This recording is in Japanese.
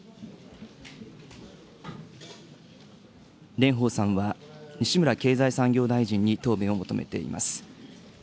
蓮舫さんは西村経済産業大臣に答弁を求めています。